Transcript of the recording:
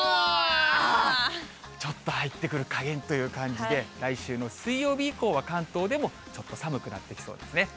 ちょっと、入ってくる加減という感じで、来週の水曜日以降は、関東でもちょっと寒くなってきそうですね。